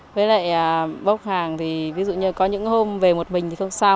với lại bốc hàng thì ví dụ như có những hôm về một mình thì không sao